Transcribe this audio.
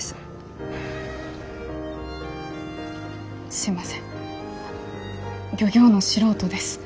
すいません漁業の素人です。